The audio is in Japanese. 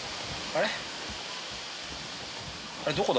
あれ？